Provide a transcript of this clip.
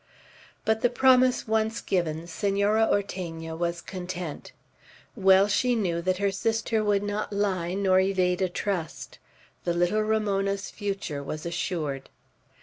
But the promise once given, Senora Ortegna was content. Well she knew that her sister would not lie, nor evade a trust. The little Ramona's future was assured.